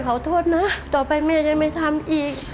ขอโทษนะต่อไปไม่ได้ยังไม่ทำอีก